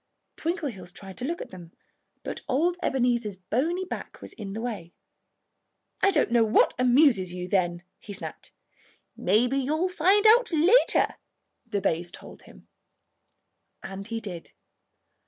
Twinkleheels tried to look at them; but old Ebenezer's bony back was in the way. "I don't know what amuses you, then," he snapped. "Maybe you'll find out later," the bays told him. And he did.